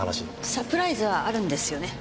サプライズはあるんですよね？